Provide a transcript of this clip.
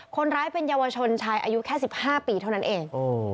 คนร้ายเป็นเยาวชนชายอายุแค่๑๕ปีเท่านั้นเอง